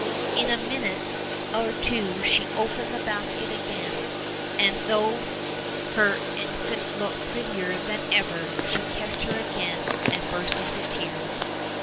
In a minute or two she opened the basket again, and thought her in fant looked prettier than ever; she kissed her again and burst into tears.